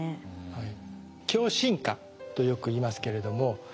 はい。